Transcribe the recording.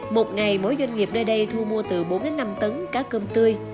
một ngày mỗi doanh nghiệp nơi đây thu mua từ bốn đến năm tấn cá cơm tươi